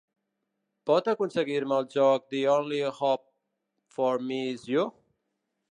Pot aconseguir-me el joc The Only Hope for Me Is You?